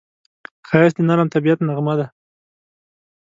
ښایست د نرم طبیعت نغمه ده